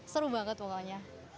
seru banget pokoknya